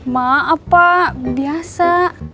maaf pak biasa